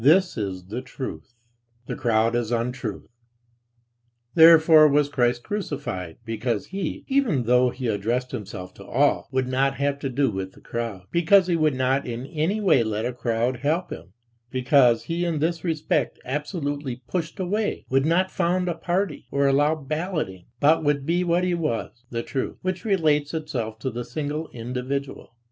This is the truth. The crowd is untruth. Therefore was Christ crucified, because he, even though he addressed himself to all, would not have to do with the crowd, because he would not in any way let a crowd help him, because he in this respect absolutely pushed away, would not found a party, or allow balloting, but would be what he was, the truth, which relates itself to the single individual.